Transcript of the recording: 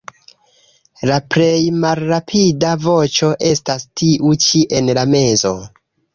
La plej malrapida voĉo estas tiu ĉi en la mezo.